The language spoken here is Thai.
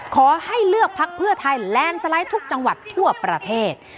ขอให้เลือกพักเพื่อไทยแลนด์สไลด์ทุกจังหวัดทั่วประเทศ